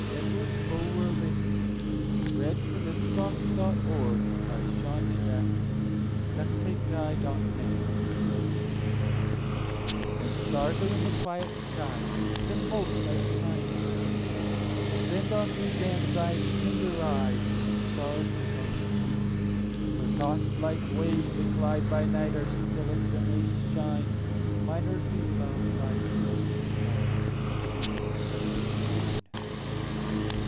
Edward Bulwer Lytton, 1st Baron Lytton 1803–73 When Stars Are in the Quiet Skies BulwerLyEG WHEN stars are in the quiet skies, Then most I pine for thee; Bend on me then thy tender eyes, As stars look on the sea! For thoughts, like waves that glide by night, Are stillest when they shine; Mine earthly love lies hush'd in lightBeneath the heaven of thine.